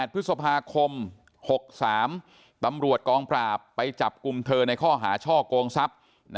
พฤษภาคม๖๓ตำรวจกองปราบไปจับกลุ่มเธอในข้อหาช่อกงทรัพย์